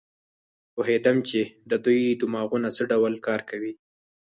پوهېدم چې د دوی دماغونه څه ډول کار کوي.